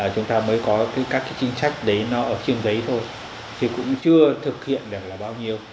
chúng ta mới có các chính sách đấy nó ở trên giấy thôi thì cũng chưa thực hiện được là bao nhiêu